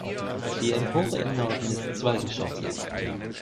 Die Empore im Norden ist zweigeschossig.